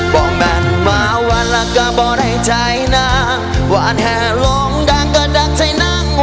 บ่แม่นมาวันหลักกะบ่ได้ใจน้ำวันแห่ลงดังกะดักใจน้ำ